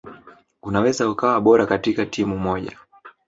Unaweza ukawa bora katika timu moja